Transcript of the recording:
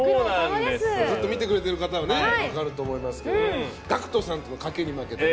ずっと見てくれてる方は分かると思いますけどＧＡＣＫＴさんとの賭けに負けてね。